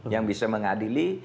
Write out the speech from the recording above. yang bisa mengadili